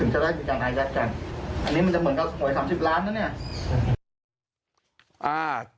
ถึงจะได้มีการไอลัดกันอันนี้มันจะเหมือนกับโหย๓๐ล้านแล้วเนี่ย